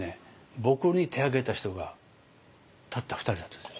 僕に手を挙げた人がたった２人だったんです。